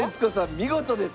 見事です！